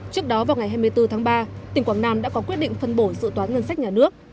trước đó vào ngày hai mươi bốn tháng ba tỉnh quảng nam đã có quyết định phân bổ dự toán ngân sách nhà nước